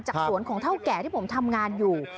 จากศรสวนของเถ้าแก่ที่ผมทำงานอยู่